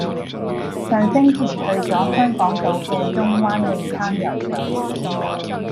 上星期去咗香港島嘅中灣泳灘游水。